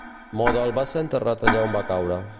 Model va ser enterrat allà on va caure.